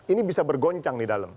ini bisa bergoncang di dalam